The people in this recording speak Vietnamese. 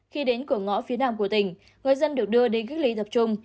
khi đến cửa ngõ phía nam của tỉnh người dân được đưa đến ghiếc lý tập trung